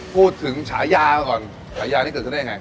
ฉายาก่อนฉายานี้เกิดขึ้นได้ยังไง